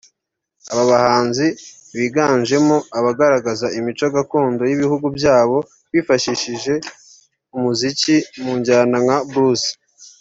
Aba bahanzi biganjemo abagaragaza imico gakondo y’ibihugu by’iwabo bifashishije umuziki mu njyana nka blues